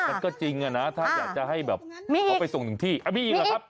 มันก็จริงอะนะถ้าอยากจะให้แบบเขาไปส่งหนึ่งที่มีอีกเหรอครับ